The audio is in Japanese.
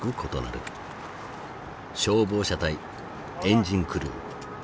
消防車隊エンジンクルー。